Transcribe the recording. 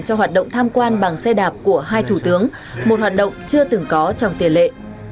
cho hoạt động tham quan bằng xe đạp của hai thủ tướng một hoạt động chưa từng có trong tiền lệ